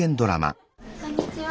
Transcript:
こんにちは。